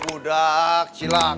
budak cilaka lo